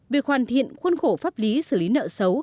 việc hoàn thiện khuôn khổ pháp lý xử lý nợ xấu